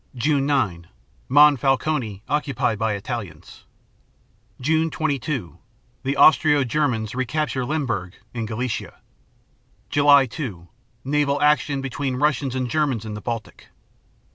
June 9 Monfalcone occupied by Italians. June 22 The Austro Germans recapture Lemberg, in Galicia. July 2 Naval action between Russians and Germans in the Baltic.